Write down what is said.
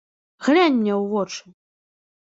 Глянь мне ў вочы.